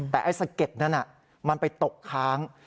แต่ไอ้สะเก็ดนั้นมันไปตกค้าง